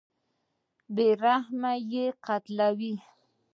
بېرحمانه یې قتلوي.